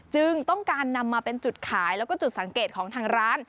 จึงต้องการนำมาเป็นจุดขายแล้วก็จุดสังเกตของทางร้าน